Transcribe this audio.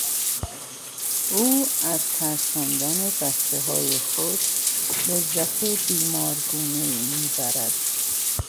او از ترساندن بچههای خود لذت بیمارگونهای میبرد.